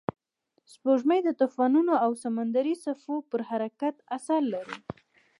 سپوږمۍ د طوفانونو او سمندري څپو پر حرکت اثر لري